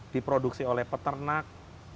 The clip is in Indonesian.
diproduksi oleh peternak